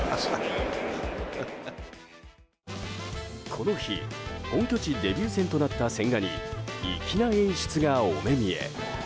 この日本拠地デビュー戦となった千賀に粋な演出がお目見え。